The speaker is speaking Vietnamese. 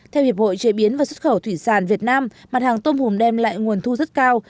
theo hiệp hội chế biến và xuất khẩu thủy sản việt nam mặt hàng tôm hùm đem lại nguồn thu rất cao